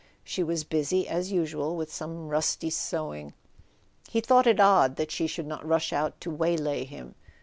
She was busy as usual with some rusty sewing —he thought it odd that she should not rush out to waylay him.